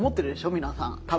皆さん多分。